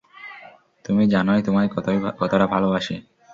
তুমি জানোই তোমায় কতটা ভালোবাসি।